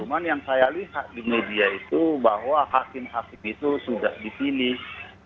cuma yang saya lihat di media itu bahwa hakim hakim itu sudah dipilih